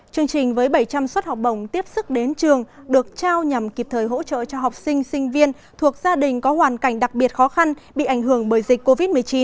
chương trình với bảy trăm linh suất học bổng tiếp sức đến trường được trao nhằm kịp thời hỗ trợ cho học sinh sinh viên thuộc gia đình có hoàn cảnh đặc biệt khó khăn bị ảnh hưởng bởi dịch covid một mươi chín